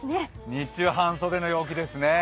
日中、半袖の陽気ですね。